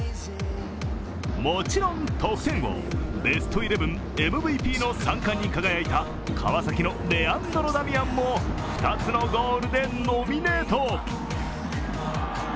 もちろん得点王、ベストイレブンＭＶＰの三冠に輝いた川崎のレアンドロ・ダミアンも２つのゴールでノミネート。